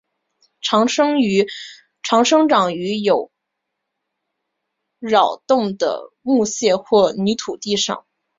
常生长于有扰动的木屑或泥土地上。